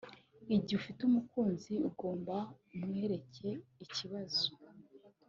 Igihe ufite umukunzi ugahora umwereka ibibazo